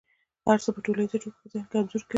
هر څه په ټوليزه توګه په ذهن کې انځور کوي.